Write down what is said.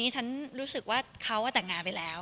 ฉันรู้สึกว่าเขาแต่งงานไปแล้ว